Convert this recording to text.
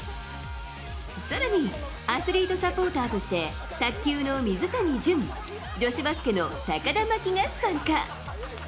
更にアスリートサポーターとして卓球の水谷隼女子バスケの高田真希が参加。